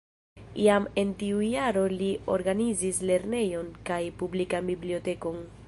Jam en tiu jaro li organizis lernejon kaj publikan bibliotekon.